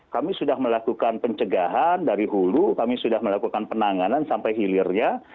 kami sudah melakukan pencegahan dari hulu kami sudah melakukan penanganan sampai hilirnya